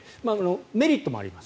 メリットもあります。